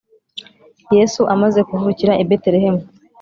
Yesu amaze kuvukira i Betelehemu